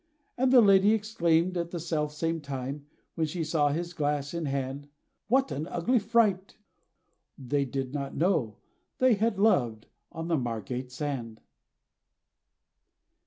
And the lady exclaimed, at the self same time, When she saw his glass in hand, "What an ugly fright!" they did not know, They had loved, on the Margate sand!